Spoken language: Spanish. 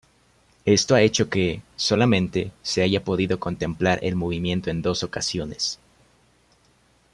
Esto ha hecho que, solamente, se haya podido contemplar el movimiento en dos ocasiones.